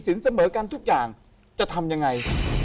เสมอกันทุกอย่างจะทำยังไง